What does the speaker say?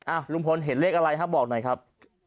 ลุงพลเห็นเลขอะไรฮะบอกหน่อยครับ